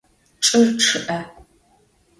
Çç'ır ççı'e.